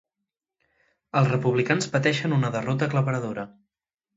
Els republicans pateixen una derrota aclaparadora